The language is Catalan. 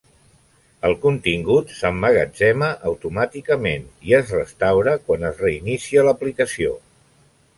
El contingut s'emmagatzema automàticament i es restaura quan es reinicia l'aplicació.